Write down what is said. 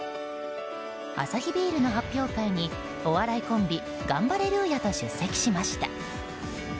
アサヒビールの発表会にお笑いコンビガンバレルーヤと出席しました。